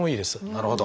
なるほど。